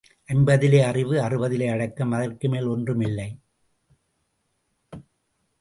ஐம்பதிலே அறிவு அறுபதிலே அடக்கம் அதற்கு மேல் ஒன்றும் இல்லை.